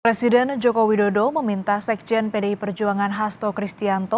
presiden joko widodo meminta sekjen pdi perjuangan hasto kristianto